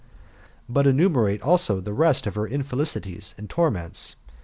But enumerate also the rest of her infelicities and torments.